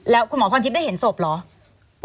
แล้วคุณหมอพรทิพย์ได้เห็นศพเหรอ